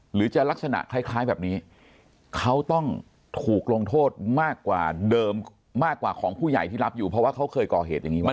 หรือจะลักษณะคล้ายแบบนี้เขาต้องถูกลงโทษมากกว่าเดิมมากกว่าของผู้ใหญ่ที่รับอยู่เพราะว่าเขาเคยก่อเหตุอย่างนี้มา